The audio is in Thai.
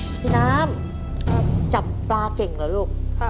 พี่น้ำจับปลาเก่งเหรอลูก